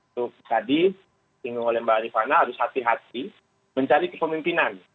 itu tadi singgung oleh mbak rifana harus hati hati mencari kepemimpinan